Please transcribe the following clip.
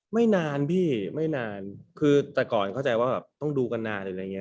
ไม่นานพี่ไม่นานคือแต่ก่อนเข้าใจว่าแบบต้องดูกันนานหรืออะไรอย่างนี้